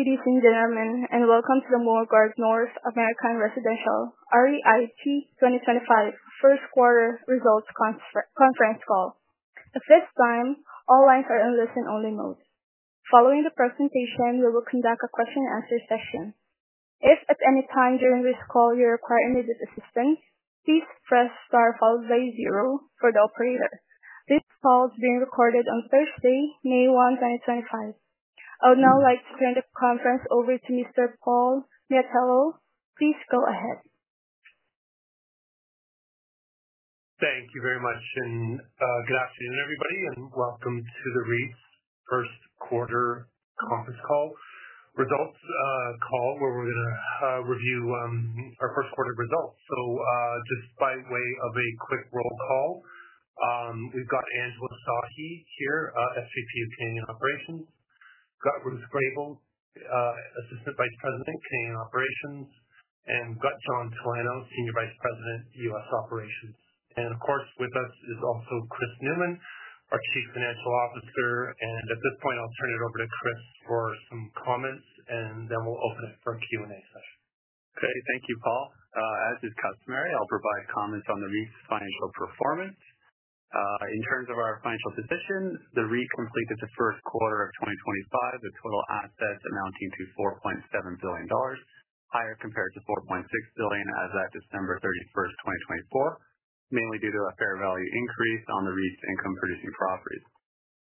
Ladies and gentlemen, and welcome to the Morguard North American Residential REIT 2025 First Quarter Results Conference Call. At this time, all lines are in listen-only mode. Following the presentation, we will conduct a question-and-answer session. If at any time during this call you require immediate assistance, please press star followed by zero for the operator. This call is being recorded on Thursday, May 1, 2025. I would now like to turn the conference over to Mr. Paul Miatello. Please go ahead. Thank you very much, and good afternoon, everybody, and welcome to the REIT's first quarter conference call results call, where we're going to review our first quarter results. Just by way of a quick roll call, we've got Angela Sahi here, SVP of Canadian Operations. We've got Ruth Grabel, Assistant Vice President, Canadian Operations. We've got John Tolano, Senior Vice President, U.S. Operations. Of course, with us is also Chris Newman, our Chief Financial Officer. At this point, I'll turn it over to Chris for some comments, and then we'll open it for a Q&A session. Okay. Thank you, Paul. As is customary, I'll provide comments on the REIT's financial performance. In terms of our financial position, the REIT completed the first quarter of 2025 with total assets amounting to $4.7 billion, higher compared to $4.6 billion as of December 31, 2024, mainly due to a fair value increase on the REIT's income-producing properties.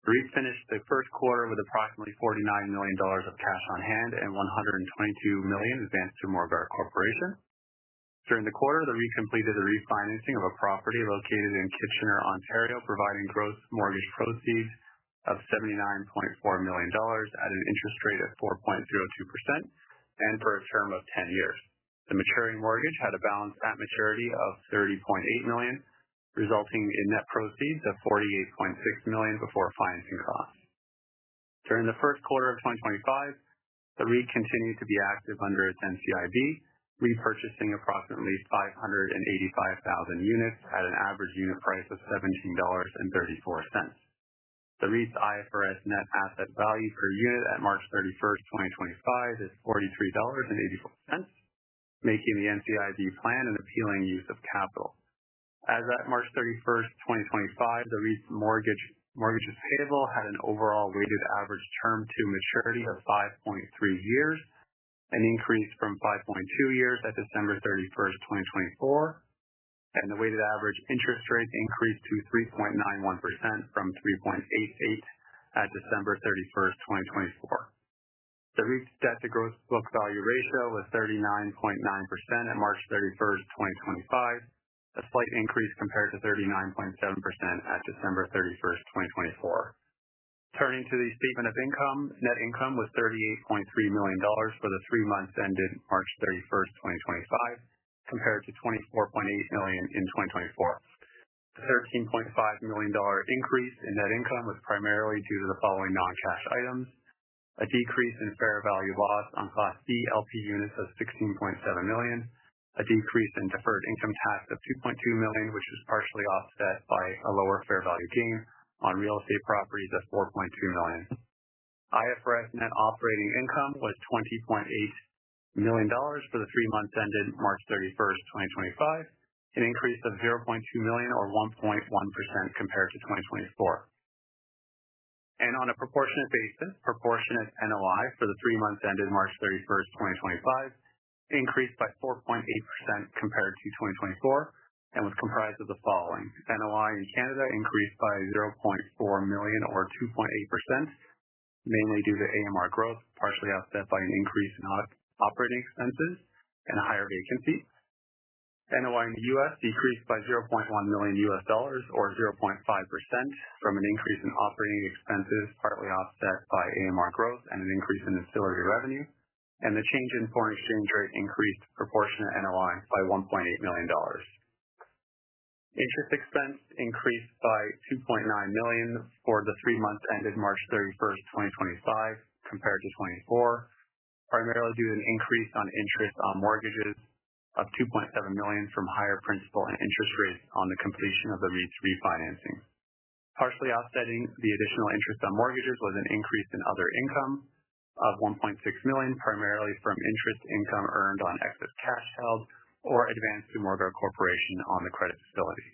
The REIT finished the first quarter with approximately $49 million of cash on hand and $122 million advanced to Morguard Corporation. During the quarter, the REIT completed a refinancing of a property located in Kitchener (Ontario), providing gross mortgage proceeds of $79.4 million at an interest rate of 4.02% and for a term of 10 years. The maturing mortgage had a balance at maturity of $30.8 million, resulting in net proceeds of $48.6 million before financing costs. During the first quarter of 2025, the REIT continued to be active under its NCIB, repurchasing approximately 585,000 units at an average unit price of $17.34. The REIT's IFRS net asset value per unit at March 31, 2025, is $43.84, making the NCIB plan an appealing use of capital. As of March 31, 2025, the REIT's mortgage payable had an overall weighted average term to maturity of 5.3 years, an increase from 5.2 years at December 31, 2024, and the weighted average interest rate increased to 3.91% from 3.88% at December 31, 2024. The REIT's debt-to-gross book value ratio was 39.9% at March 31, 2025, a slight increase compared to 39.7% at December 31, 2024. Turning to the statement of income, net income was $38.3 million for the three months ended March 31, 2025, compared to $24.8 million in 2024. The $13.5 million increase in net income was primarily due to the following non-cash items: a decrease in fair value loss on Class D LP units of $16.7 million, a decrease in deferred income tax of $2.2 million, which is partially offset by a lower fair value gain on real estate properties of $4.2 million. IFRS net operating income was $20.8 million for the three months ended March 31, 2025, an increase of $0.2 million, or 1.1% compared to 2024. On a proportionate basis, proportionate NOI for the three months ended March 31, 2025, increased by 4.8% compared to 2024 and was comprised of the following: NOI in Canada increased by $0.4 million, or 2.8%, mainly due to AMR growth, partially offset by an increase in operating expenses and a higher vacancy. NOI in the U.S. decreased by $0.1 million, or 0.5%, from an increase in operating expenses partly offset by AMR growth and an increase in ancillary revenue. The change in foreign exchange rate increased proportionate NOI by $1.8 million. Interest expense increased by $2.9 million for the three months ended March 31, 2025, compared to 2024, primarily due to an increase in interest on mortgages of $2.7 million from higher principal and interest rates on the completion of the REIT's refinancing. Partially offsetting the additional interest on mortgages was an increase in other income of $1.6 million, primarily from interest income earned on excess cash held or advanced to Morguard Corporation on the credit facility.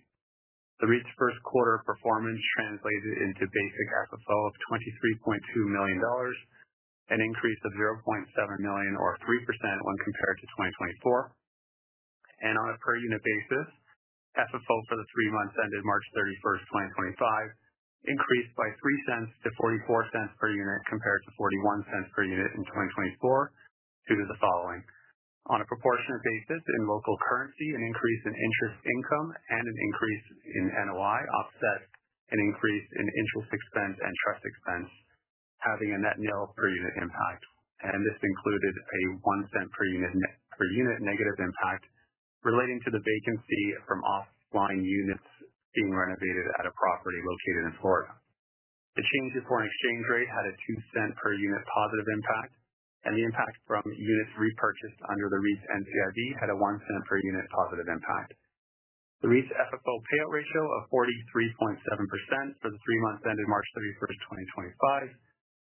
The REIT's first quarter performance translated into basic FFO of $23.2 million, an increase of $0.7 million, or 3% when compared to 2024. On a per-unit basis, FFO for the three months ended March 31, 2025, increased by $0.03 - $0.44 per unit compared to $0.41 per unit in 2024 due to the following: on a proportionate basis, in local currency, an increase in interest income and an increase in NOI offset an increase in interest expense and trust expense, having a net nil per unit impact. This included a $0.01 per unit negative impact relating to the vacancy from offline units being renovated at a property located in Florida. The change in foreign exchange rate had a $0.02 per unit positive impact, and the impact from units repurchased under the REIT's NCIB had a $0.01 per unit positive impact. The REIT's FFO payout ratio of 43.7% for the three months ended March 31, 2025,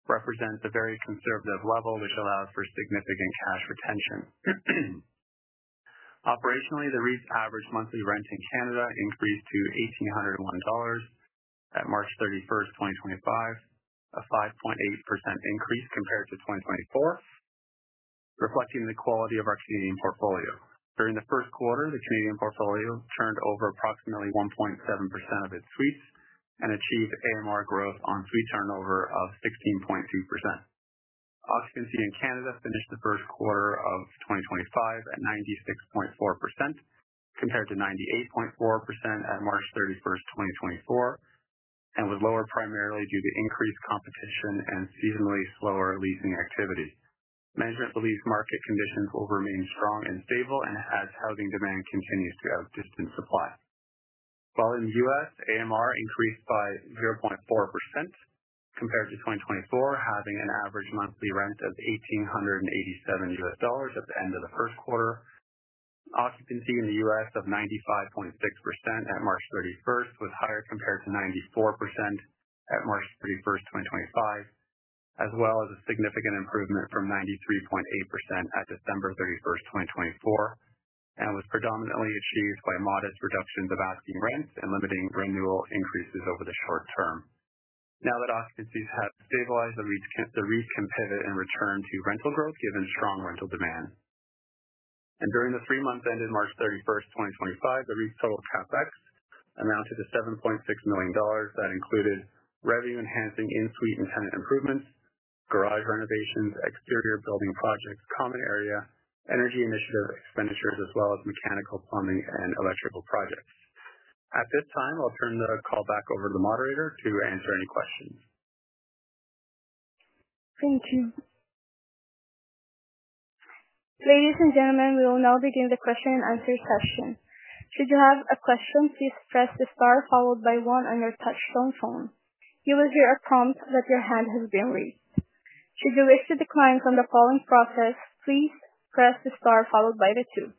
represents a very conservative level, which allows for significant cash retention. Operationally, the REIT's average monthly rent in Canada increased to $1,801 at March 31, 2025, a 5.8% increase compared to 2024, reflecting the quality of our Canadian portfolio. During the first quarter, the Canadian portfolio turned over approximately 1.7% of its suites and achieved AMR growth on suite turnover of 16.2%. Occupancy in Canada finished the first quarter of 2025 at 96.4% compared to 98.4% at March 31, 2024, and was lower primarily due to increased competition and seasonally slower leasing activity. Management believes market conditions will remain strong and stable as housing demand continues to outdistance supply. While in the U.S., AMR increased by 0.4% compared to 2024, having an average monthly rent of $1,887 at the end of the first quarter. Occupancy in the U.S. of 95.6% at March 31 was higher compared to 94% at March 31, 2025, as well as a significant improvement from 93.8% at December 31, 2024, and was predominantly achieved by modest reductions of asking rent and limiting renewal increases over the short term. Now that occupancies have stabilized, the REIT can pivot and return to rental growth given strong rental demand. During the three months ended March 31, 2025, the REIT's total CapEx amounted to $7.6 million that included revenue-enhancing in-suite and tenant improvements, garage renovations, exterior building projects, common area, energy initiative expenditures, as well as mechanical, plumbing, and electrical projects. At this time, I'll turn the call back over to the moderator to answer any questions. Thank you. Ladies and gentlemen, we will now begin the question-and-answer session. Should you have a question, please press the star followed by one on your touchstone phone. You will hear a prompt that your hand has been reached. Should you wish to decline from the following process, please press the star followed by the two.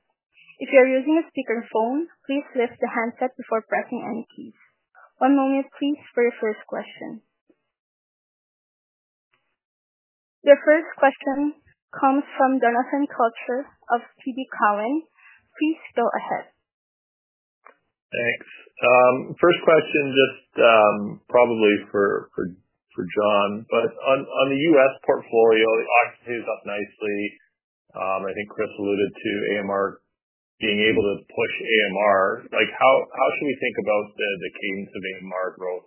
If you are using a speakerphone, please lift the handset before pressing any keys. One moment, please, for your first question. Your first question comes from Donovan Culture of TD Cowan. Please go ahead. Thanks. First question, just probably for John. On the U.S. portfolio, the occupancy is up nicely. I think Chris alluded to AMR, being able to push AMR. How should we think about the cadence of AMR growth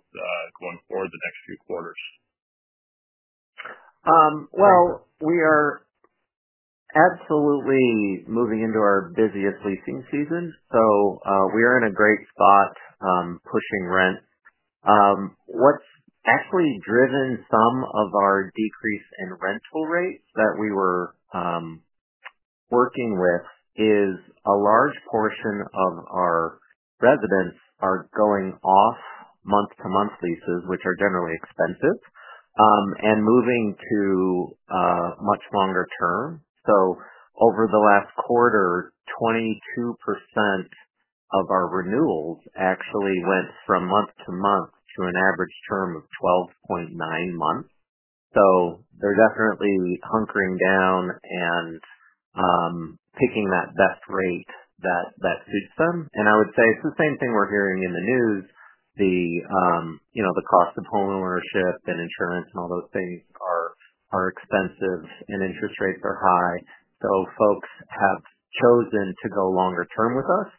going forward the next few quarters? We are absolutely moving into our busiest leasing season, so we are in a great spot pushing rent. What's actually driven some of our decrease in rental rates that we were working with is a large portion of our residents are going off month-to-month leases, which are generally expensive, and moving to much longer term. Over the last quarter, 22% of our renewals actually went from month-to-month to an average term of 12.9 months. They are definitely hunkering down and picking that best rate that suits them. I would say it's the same thing we're hearing in the news. The cost of homeownership and insurance and all those things are expensive, and interest rates are high. Folks have chosen to go longer term with us.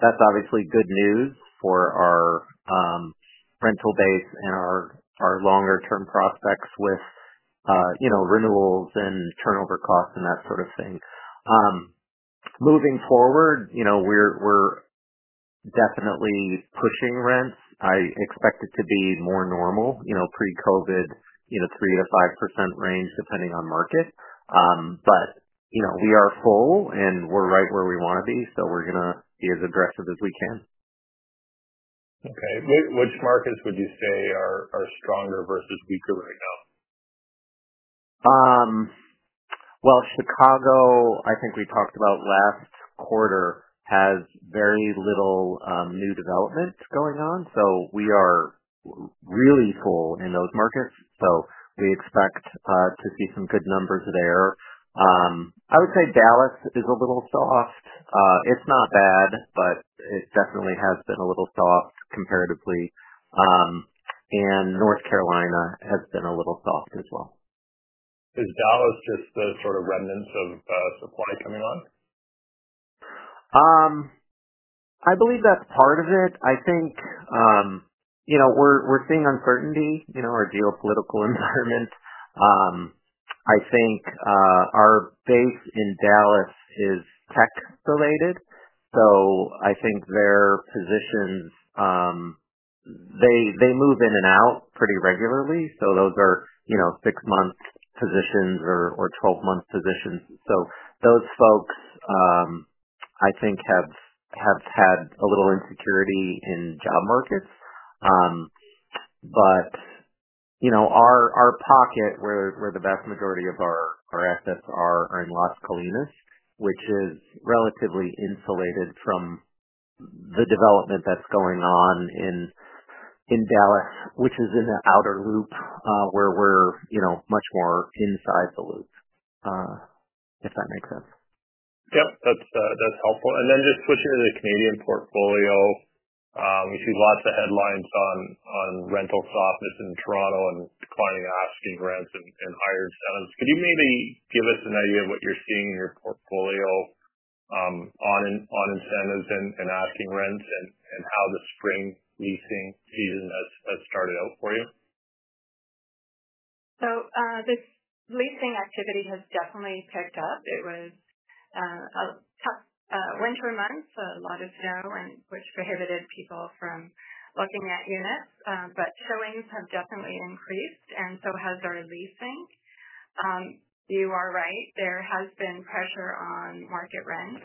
That's obviously good news for our rental base and our longer-term prospects with renewals and turnover costs and that sort of thing. Moving forward, we're definitely pushing rents. I expect it to be more normal, pre-COVID, 3-5% range depending on market. We are full, and we're right where we want to be, so we're going to be as aggressive as we can. Okay. Which markets would you say are stronger versus weaker right now? Chicago, I think we talked about last quarter, has very little new development going on. We are really full in those markets. We expect to see some good numbers there. I would say Dallas is a little soft. It's not bad, but it definitely has been a little soft comparatively. North Carolina has been a little soft as well. Is Dallas just the sort of remnants of supply coming on? I believe that's part of it. I think we're seeing uncertainty, our geopolitical environment. I think our base in Dallas is tech-related. I think their positions, they move in and out pretty regularly. Those are 6-month positions or 12-month positions. Those folks, I think, have had a little insecurity in job markets. Our pocket, where the vast majority of our assets are, are in Las Colinas, which is relatively insulated from the development that's going on in Dallas, which is in the outer loop, where we're much more inside the loop, if that makes sense. Yep. That's helpful. Just switching to the Canadian portfolio, we see lots of headlines on rental softness in Toronto and declining asking rents and higher incentives. Could you maybe give us an idea of what you're seeing in your portfolio on incentives and asking rents and how the spring leasing season has started out for you? This leasing activity has definitely picked up. It was a tough winter month, a lot of snow, which prohibited people from looking at units. Showings have definitely increased, and so has our leasing. You are right. There has been pressure on market rents,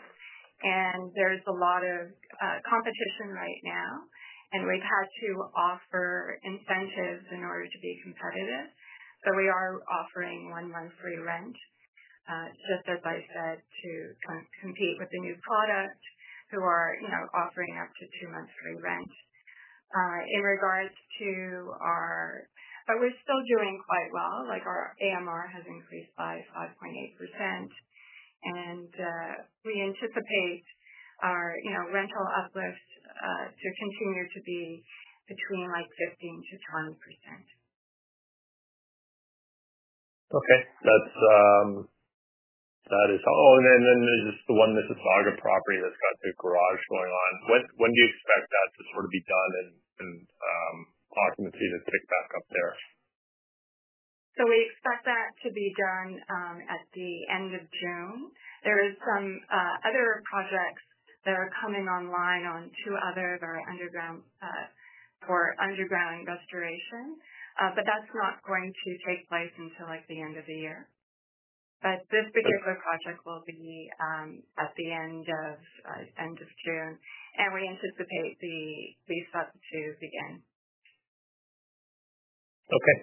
and there is a lot of competition right now. We have had to offer incentives in order to be competitive. We are offering one month free rent, just as I said, to compete with the new product who are offering up to two months free rent. In regards to our... We are still doing quite well. Our AMR has increased by 5.8%, and we anticipate our rental uplift to continue to be between 15%-20%. Okay. That is helpful. There is just the one Mississauga property that has the garage going on. When do you expect that to sort of be done and occupancy to tick back up there? We expect that to be done at the end of June. There are some other projects that are coming online on two others for underground restoration, but that's not going to take place until the end of the year. This particular project will be at the end of June, and we anticipate the lease up to begin. Okay.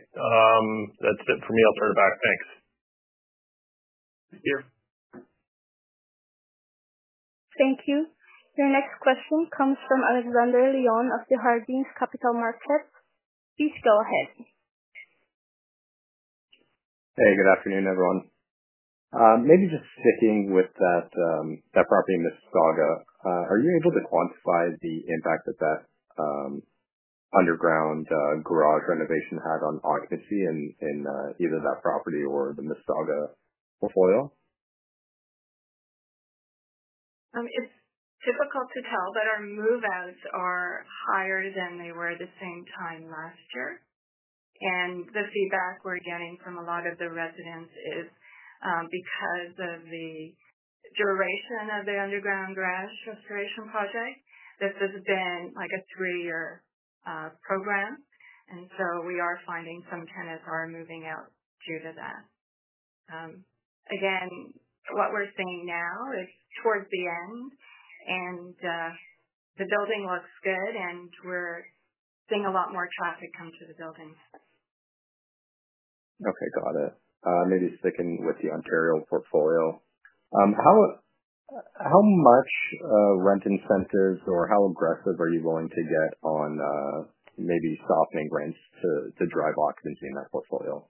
That's it for me. I'll turn it back. Thanks. Thank you. Thank you. Your next question comes from Alexander Leon of Hardin Capital Markets. Please go ahead. Hey, good afternoon, everyone. Maybe just sticking with that property in Mississauga, are you able to quantify the impact that that underground garage renovation had on occupancy in either that property or the Mississauga portfolio? It's difficult to tell, but our move-outs are higher than they were at the same time last year. The feedback we're getting from a lot of the residents is because of the duration of the underground garage restoration project. This has been a three-year program, and we are finding some tenants are moving out due to that. Again, what we're seeing now is towards the end, and the building looks good, and we're seeing a lot more traffic come to the building. Okay. Got it. Maybe sticking with the Ontario portfolio, how much rent incentives or how aggressive are you willing to get on maybe softening rents to drive occupancy in that portfolio?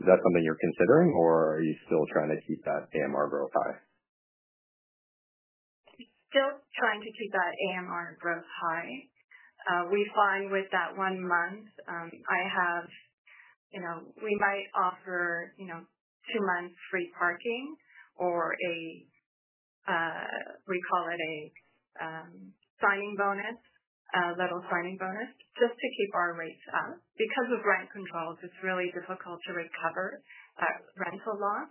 Is that something you're considering, or are you still trying to keep that AMR growth high? Still trying to keep that AMR growth high. We find with that one month, we might offer two months free parking or a, we call it a signing bonus, a little signing bonus, just to keep our rates up. Because of rent controls, it's really difficult to recover rental loss.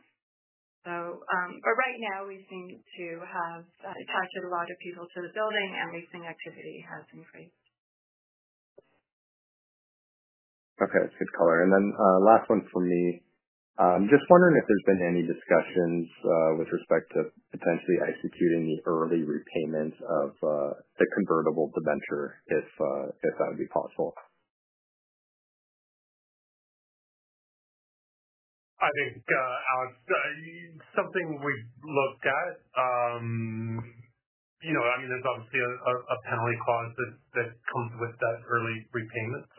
Right now, we seem to have attracted a lot of people to the building, and leasing activity has increased. Okay. That's good color. Last one for me, just wondering if there's been any discussions with respect to potentially executing the early repayment of the convertible debenture if that would be possible. I think something we've looked at, I mean, there's obviously a penalty clause that comes with that early repayment.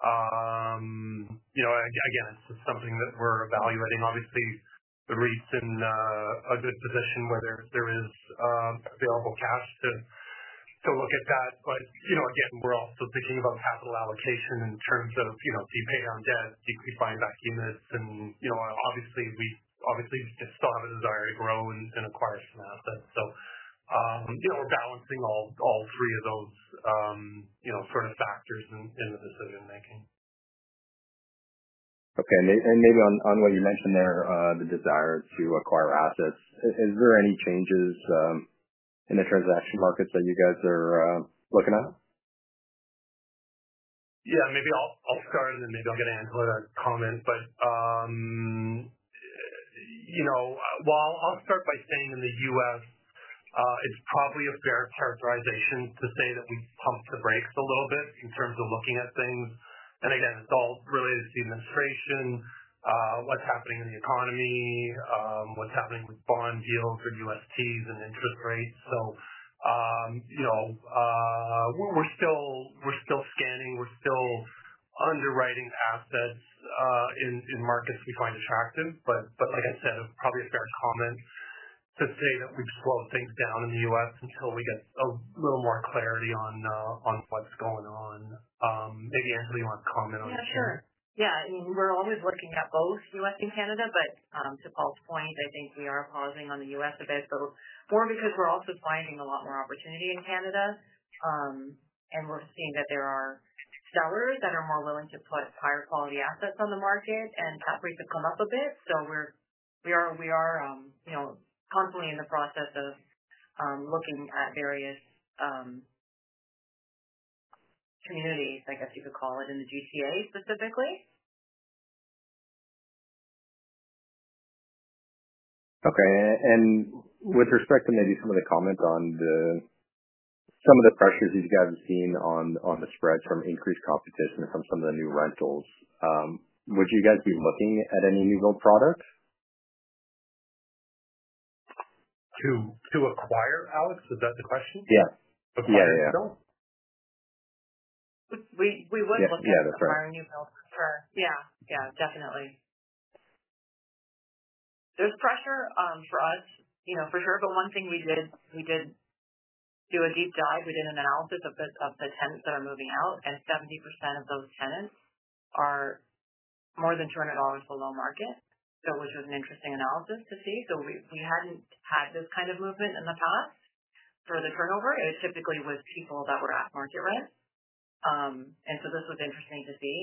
It is just something that we're evaluating. Obviously, the REIT's in a good position where there is available cash to look at that. We are also thinking about capital allocation in terms of pay down debt, decrease buyback units. Obviously, we just saw the desire to grow and acquire some assets. We are balancing all three of those sort of factors in the decision-making. Okay. Maybe on what you mentioned there, the desire to acquire assets, is there any changes in the transaction markets that you guys are looking at? Yeah. Maybe I'll start, and then maybe I'll get Angela to comment. I'll start by saying in the U.S., it's probably a fair characterization to say that we've pumped the brakes a little bit in terms of looking at things. Again, it's all related to the administration, what's happening in the economy, what's happening with bond yields or USTs and interest rates. We're still scanning. We're still underwriting assets in markets we find attractive. Like I said, it's probably a fair comment to say that we've slowed things down in the U.S. until we get a little more clarity on what's going on. Maybe Angela wants to comment on that. Yeah. Sure. Yeah. I mean, we're always looking at both U.S. and Canada. To Paul's point, I think we are pausing on the U.S. a bit, more because we're also finding a lot more opportunity in Canada. We're seeing that there are sellers that are more willing to put higher-quality assets on the market, and that rate has come up a bit. We are constantly in the process of looking at various communities, I guess you could call it, in the GTA specifically. Okay. With respect to maybe some of the comments on some of the pressures you guys have seen on the spreads from increased competition from some of the new rentals, would you guys be looking at any new-build products? To acquire, Alex? Is that the question? Yeah. Acquire rentals? We would look at acquiring new-builds. Yeah. Yeah. Definitely. There is pressure for us, for sure. One thing we did, we did do a deep dive. We did an analysis of the tenants that are moving out, and 70% of those tenants are more than $200 below market, which was an interesting analysis to see. We had not had this kind of movement in the past for the turnover. It typically was people that were at market rent. This was interesting to see.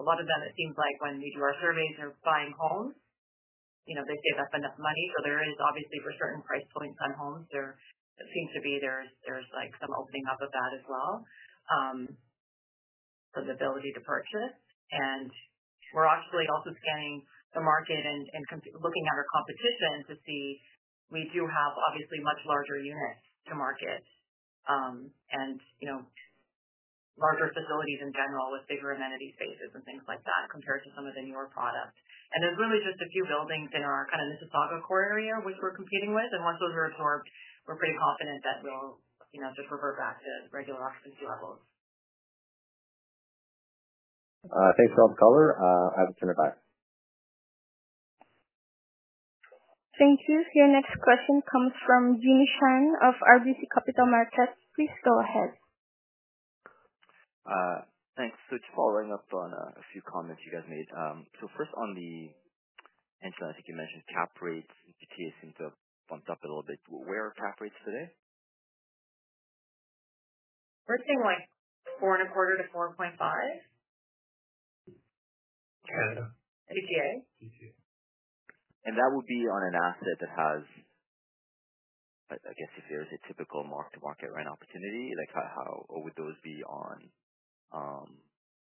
A lot of them, it seems like when we do our surveys of buying homes, they save up enough money. There is obviously, for certain price points on homes, there seems to be some opening up of that as well for the ability to purchase. We are actually also scanning the market and looking at our competition to see. We do have, obviously, much larger units to market and larger facilities in general with bigger amenity spaces and things like that compared to some of the newer products. There are really just a few buildings in our kind of Mississauga core area which we're competing with. Once those are absorbed, we're pretty confident that we'll just revert back to regular occupancy levels. Thanks for all the color. I will turn it back. Thank you. Your next question comes from [Jeshan] of RBC Capital Markets. Please go ahead. Thanks. Just following up on a few comments you guys made. First, Angela, I think you mentioned cap rates in GTA seem to have bumped up a little bit. Where are cap rates today? We're seeing like 4.25-4.5. Canada. GTA. GTA. That would be on an asset that has, I guess, if there's a typical mark-to-market rent opportunity, would those be on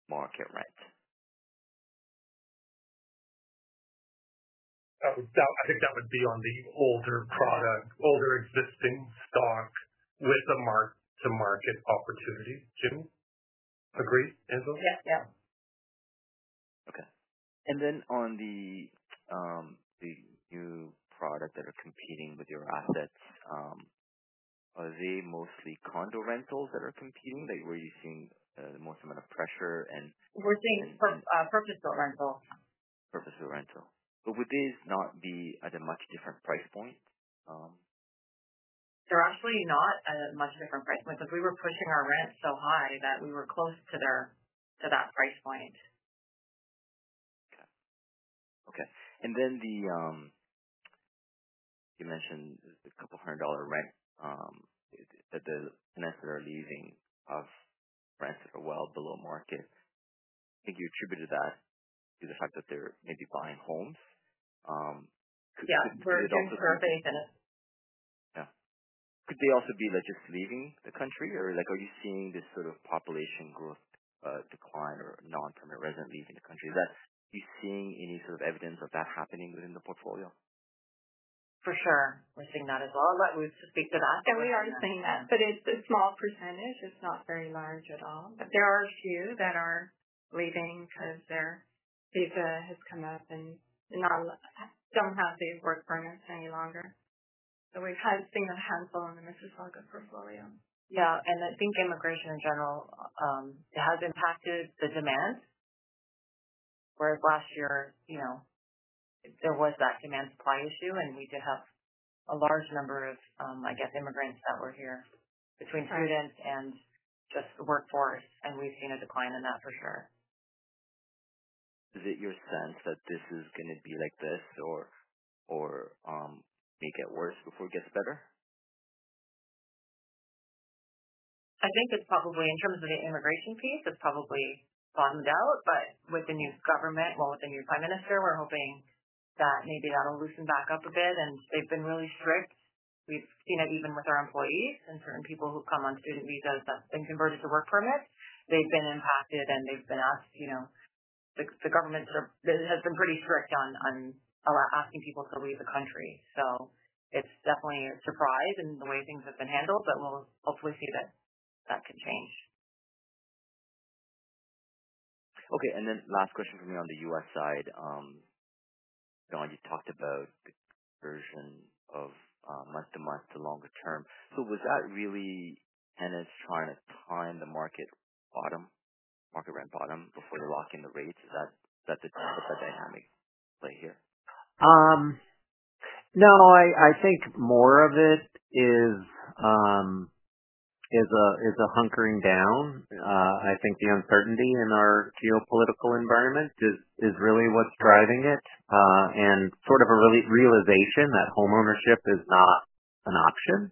market rent? I think that would be on the older product, older existing stock with a mark-to-market opportunity. June, agree, Angela? Yep. Yep. Okay. And then on the new product that are competing with your assets, are they mostly condo rentals that are competing? Where are you seeing the most amount of pressure? We're seeing purposeful rentals. Purposeful rentals. Would these not be at a much different price point? They're actually not at a much different price point because we were pushing our rent so high that we were close to that price point. Okay. Okay. You mentioned a couple of hundred dollar rent, the tenants that are leaving of rents that are well below market. I think you attributed that to the fact that they're maybe buying homes. Could it also be. Yeah. We're seeing surfacing. Yeah. Could they also be just leaving the country? Or are you seeing this sort of population growth decline or non-permanent resident leaving the country? Are you seeing any sort of evidence of that happening within the portfolio? For sure. We're seeing that as well. We'll have to speak to that. We are seeing that, but it's a small percentage. It's not very large at all. There are a few that are leaving because their visa has come up and don't have the work permit any longer. We've seen a handful in the Mississauga portfolio. Yeah. I think immigration in general, it has impacted the demand. Whereas last year, there was that demand-supply issue, and we did have a large number of, I guess, immigrants that were here between students and just the workforce. We've seen a decline in that for sure. Is it your sense that this is going to be like this or may get worse before it gets better? I think it's probably, in terms of the immigration piece, it's probably bottomed out. With the new government, with the new prime minister, we're hoping that maybe that'll loosen back up a bit. They've been really strict. We've seen it even with our employees and certain people who come on student visas that've been converted to work permits. They've been impacted, and they've been asked. The government has been pretty strict on asking people to leave the country. It's definitely a surprise in the way things have been handled, but we'll hopefully see that that can change. Okay. Last question for me on the U.S. side. You talked about conversion of month-to-month to longer term. Was that really tenants trying to time the market bottom, market rent bottom before they lock in the rates? Is that the type of dynamic play here? No. I think more of it is a hunkering down. I think the uncertainty in our geopolitical environment is really what's driving it and sort of a realization that homeownership is not an option.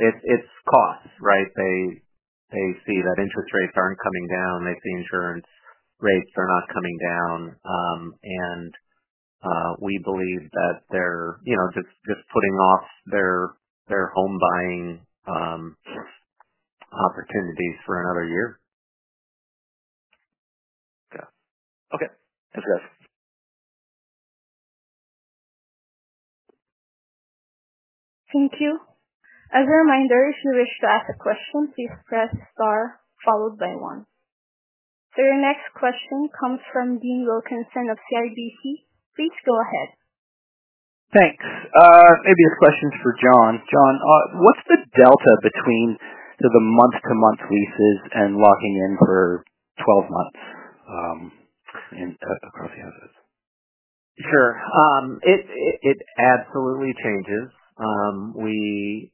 It is costs, right? They see that interest rates are not coming down. They see insurance rates are not coming down. We believe that they are just putting off their home-buying opportunities for another year. Okay. Okay. Thank you. Thank you. As a reminder, if you wish to ask a question, please press star followed by one. Your next question comes from Dean Wilkinson of CIBC. Please go ahead. Thanks. Maybe this question's for John. John, what's the delta between the month-to-month leases and locking in for 12 months across the assets? Sure. It absolutely changes. We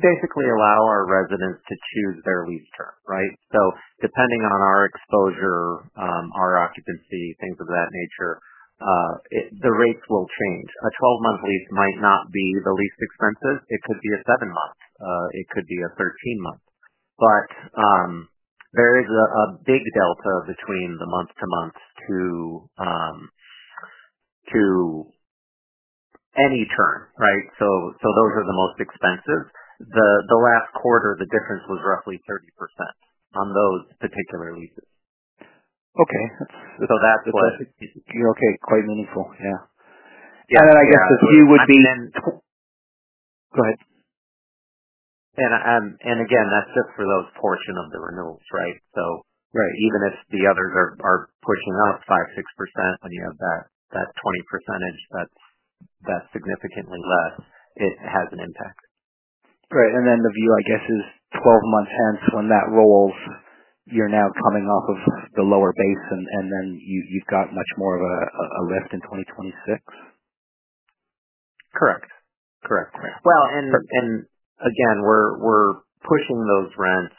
basically allow our residents to choose their lease term, right? Depending on our exposure, our occupancy, things of that nature, the rates will change. A 12-month lease might not be the least expensive. It could be a 7-month. It could be a 13-month. There is a big delta between the month-to-month to any term, right? Those are the most expensive. The last quarter, the difference was roughly 30% on those particular leases. Okay. That's quite meaningful. Yeah. I guess if you would be. And then. Go ahead. Again, that's just for those portions of the renewals, right? Even if the others are pushing up 5%-6%, when you have that 20%, that's significantly less. It has an impact. Right. And then the view, I guess, is 12 months hence, when that rolls, you're now coming off of the lower base, and then you've got much more of a lift in 2026? Correct. Correct. Again, we're pushing those rents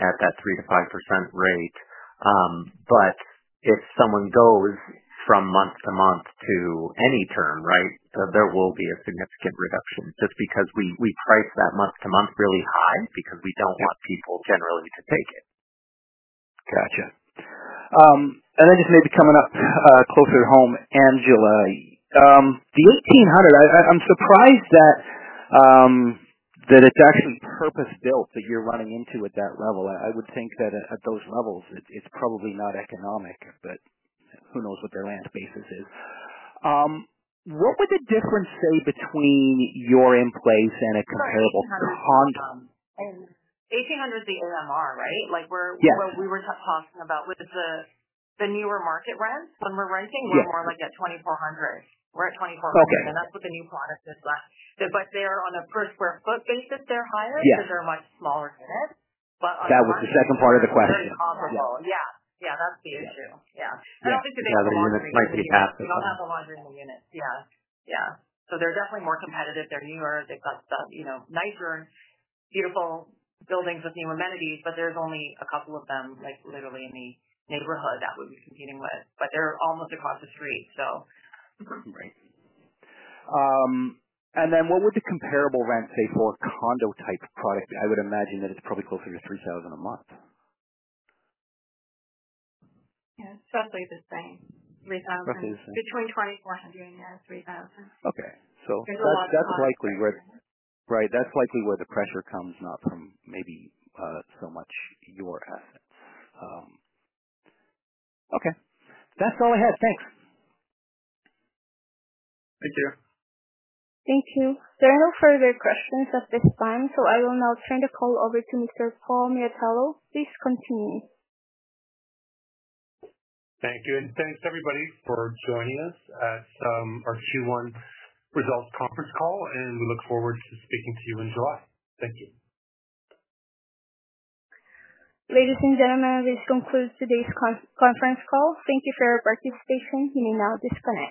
at that 3%-5% rate. If someone goes from month-to-month to any term, right, there will be a significant reduction just because we price that month-to-month really high because we do not want people generally to take it. Gotcha. Just maybe coming up closer to home, Angela, the 1800, I'm surprised that it's actually purpose-built that you're running into at that level. I would think that at those levels, it's probably not economic, but who knows what their land basis is. What would the difference say between your in-place and a comparable condo? 1800 is the AMR, right? What we were talking about with the newer market rents, when we're renting, we're more like at $2,400. We're at $2,400. That's what the new product is left. They're on a per sq ft basis. They're higher because they're much smaller units. That was the second part of the question. Very comparable. Yeah. Yeah. That's the issue. Yeah. Yeah. The units might be half as high. You don't have the laundry in the units. Yeah. Yeah. They are definitely more competitive. They are newer. They have the nicer, beautiful buildings with new amenities, but there are only a couple of them literally in the neighborhood that we are competing with. They are almost across the street. Right. What would the comparable rent say for a condo type product? I would imagine that it's probably closer to $3,000 a month. Yeah. It's roughly the same. 3,000. Roughly the same. Between 2,400 and 3,000. Okay. That's likely where. There's a lot of pressure. Right. That's likely where the pressure comes, not from maybe so much your assets. Okay. That's all I had. Thanks. Thank you. Thank you. There are no further questions at this time. I will now turn the call over to Mr. Paul Miatello. Please continue. Thank you. Thank you, everybody, for joining us at our Q1 results conference call. We look forward to speaking to you in July. Thank you. Ladies and gentlemen, this concludes today's conference call. Thank you for your participation. You may now disconnect.